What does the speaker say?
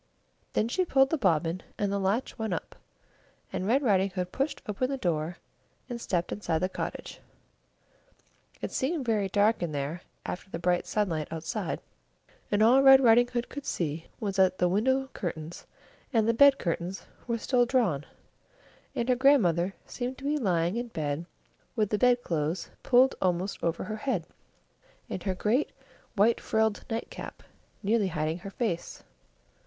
Then she pulled the bobbin, and the latch went up, and Red Riding Hood pushed open the door, and stepped inside the cottage. It seemed very dark in there after the bright sunlight outside, and all Red Riding Hood could see was that the window curtains and the bed curtains were still drawn, and her grandmother seemed to be lying in bed with the bed clothes pulled almost over her head, and her great white frilled nightcap nearly hiding her face.